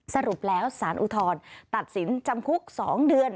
สรุปแล้วสารอุทธรณ์ตัดสินจำคุก๒เดือน